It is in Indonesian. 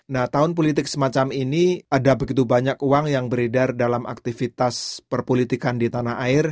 nah tahun politik semacam ini ada begitu banyak uang yang beredar dalam aktivitas perpolitikan di tanah air